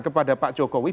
kepada pak jokowi